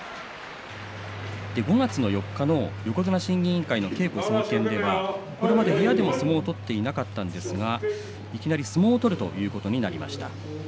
５月の４日の横綱審議委員会の稽古総見ではこれまで部屋でも相撲を取っていなかったんですがいきなり相撲を取るということになりました。